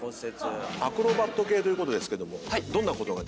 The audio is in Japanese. アクロバット系ということですけどもどんなことができる？